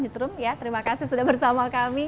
di setrum ya terima kasih sudah bersama kami